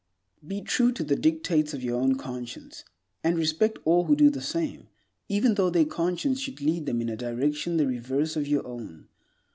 Be true to the dictates of your own conscience, and respect all who do the same, even though their conscience should lead them in a direction the reverse of your own.